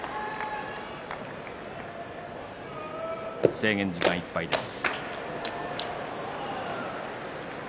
制限時間いっぱいです。